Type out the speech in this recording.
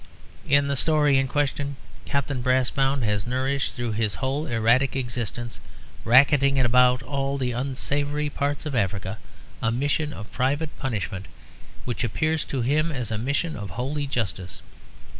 In the story in question Captain Brassbound has nourished through his whole erratic existence, racketting about all the unsavoury parts of Africa a mission of private punishment which appears to him as a mission of holy justice.